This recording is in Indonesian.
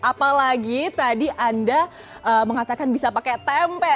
apalagi tadi anda mengatakan bisa pakai tempe